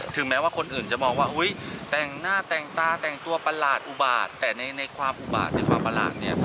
แม้ว่าคนอื่นจะมองว่าแต่งหน้าแต่งตาแต่งตัวประหลาดอุบาตแต่ในความอุบาตในความประหลาดเนี่ย